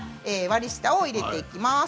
割り下を入れていきます。